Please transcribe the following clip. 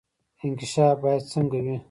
انکشاف باید څنګه وي؟